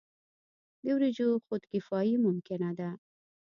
د وریجو خودکفايي ممکنه ده.